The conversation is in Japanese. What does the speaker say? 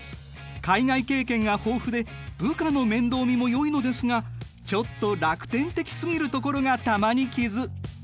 海外経験が豊富で部下の面倒見もよいのですがちょっと楽天的すぎるところが玉にきず。